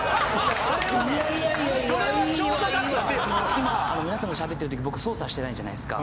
今皆さんと喋ってる時僕操作してないじゃないですか。